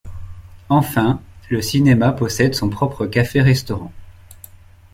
Enfin, le cinéma possède son propre café-restaurant.